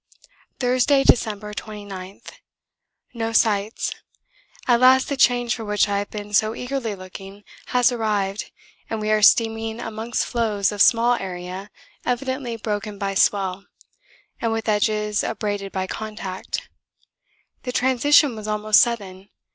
Thursday, December 29. No sights. At last the change for which I have been so eagerly looking has arrived and we are steaming amongst floes of small area evidently broken by swell, and with edges abraded by contact. The transition was almost sudden.